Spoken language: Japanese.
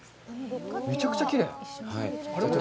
めちゃくちゃきれい。